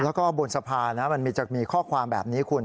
แล้วก็บนสะพานนะมันจะมีข้อความแบบนี้คุณ